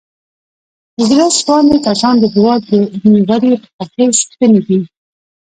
زړه سواندي کسان د هېواد د علمي ودې پخې ستنې دي.